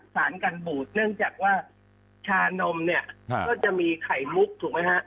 สารกันบูดเนื่องจากว่าชานมเนี่ยก็จะมีไข่มุกถูกไหมฮะ